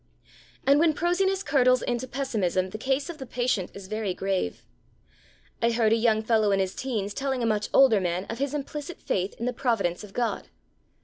And when prosiness curdles into pessimism the case of the patient is very grave. I heard a young fellow in his teens telling a much older man of his implicit faith in the providence of God.